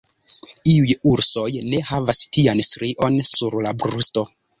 Iuj ursoj ne havas tian strion sur la brusto.